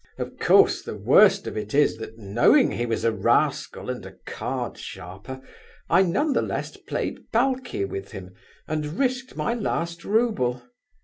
Of course, the worst of it is that, knowing he was a rascal, and a card sharper, I none the less played palki with him, and risked my last rouble.